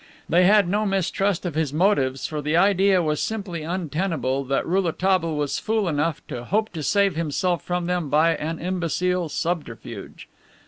They had no mistrust of his motives, for the idea was simply untenable that Rouletabille was fool enough to hope to save himself from them by an imbecile subterfuge.